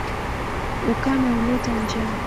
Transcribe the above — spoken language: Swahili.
Ukame huleta njaa.